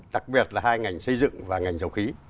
đặc biệt là hai ngành xây dựng và ngành dầu khí